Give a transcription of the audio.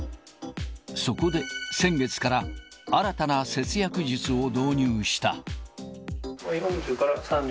そこで先月から、新たな節約術を導入した。